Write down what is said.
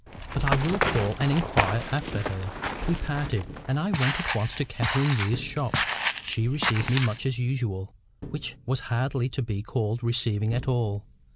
But I will call and inquire after her." We parted; and I went at once to Catherine Weir's shop. She received me much as usual, which was hardly to be called receiving at all.